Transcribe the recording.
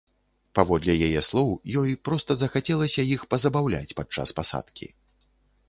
Паводле яе слоў, ёй проста захацелася іх пазабаўляць падчас пасадкі.